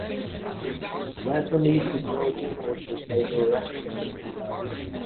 Vietnamese security forces later arrested him on the ground.